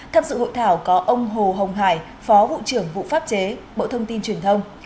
tham dự hội thảo có ông hồ hồng hải phó vụ trưởng vụ pháp chế bộ thông tin truyền thông